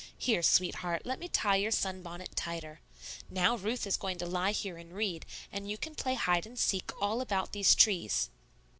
Here, sweetheart, let me tie your sunbonnet tighter. Now Ruth is going to lie here and read, and you can play hide and seek all about these trees."